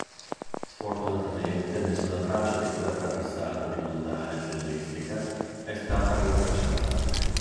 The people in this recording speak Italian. Sfortunatamente nessuna traccia di quella traversata di montagna pionieristica è stata rintracciata.